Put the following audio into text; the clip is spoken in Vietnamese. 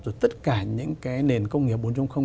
và tất cả những nền công nghiệp bốn trong